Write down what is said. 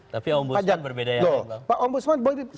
tapi om busman berbeda ya